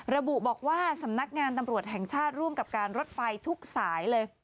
ระบุบอกว่าสำนักงานตำรวจแห่งชาติร่วมกับการรถไฟทุกสายเลย